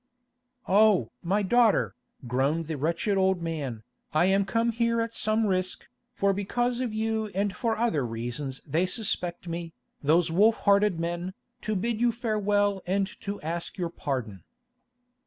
"Oh! my daughter," groaned the wretched old man, "I am come here at some risk, for because of you and for other reasons they suspect me, those wolf hearted men, to bid you farewell and to ask your pardon."